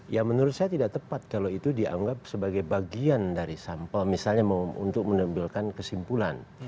ya menurut saya tidak tepat kalau itu dianggap sebagai bagian dari sampel misalnya untuk menampilkan kesimpulan